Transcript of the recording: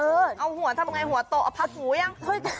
เอาหัวทำไงหัวโตเอาพัดหูยัง